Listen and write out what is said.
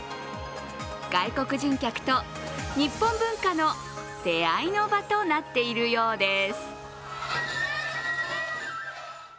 外国人客と日本文化の出会いの場となっているようです。